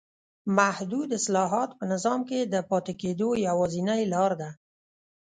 محدود اصلاحات په نظام کې د پاتې کېدو یوازینۍ لار ده.